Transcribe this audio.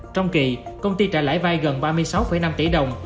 trong kỳ công ty trả lãi vai gần ba mươi sáu năm tỷ đồng